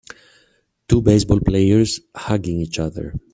Two baseball players hugging each other.